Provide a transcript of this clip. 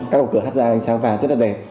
các cửa hắt ra ánh sáng vàng rất là đẹp